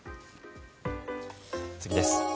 次です。